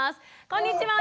こんにちは。